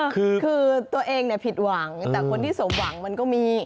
คือตัวเองผิดหวังแต่คนที่สมหวังมันก็มี